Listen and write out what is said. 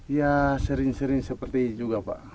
ya sering sering seperti juga pak